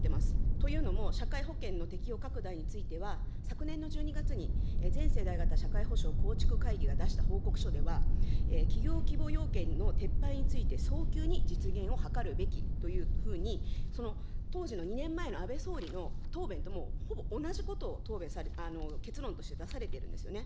というのも、社会保険の適用拡大については、昨年の１２月に全世代型社会保障構築会議が出した報告書では、企業規模要件の撤廃について、早急に実現を図るべきというふうに、その当時の２年前の安倍総理の答弁ともほぼ同じことを答弁されて、結論として出されてるんですよね。